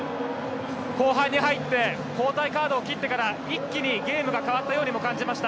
後半に入って交代カードを切ってから一気にゲームが変わったように感じました。